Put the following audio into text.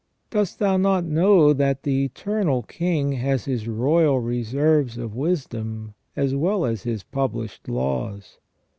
Dost thou not know that the Eternal King has His royal reserves of wisdom, as well as His published laws